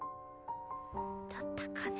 だったかね。